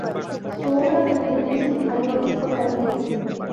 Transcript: Su obra pertenece al gótico tardío.